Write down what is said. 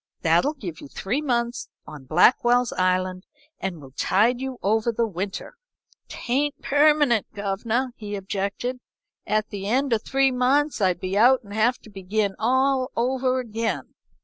'That'll give you three months on Blackwell's Island and will tide you over the winter.' "'Tain't permanent, governor,' he objected. 'At the end o' three months I'd be out and have to begin all over again.